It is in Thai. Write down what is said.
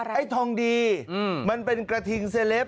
ไอ้ทองดีมันเป็นกระทิงเซลป